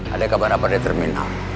ada kabar apa ada terminal